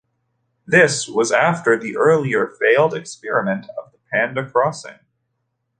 This was after the earlier failed experiment of the panda crossing.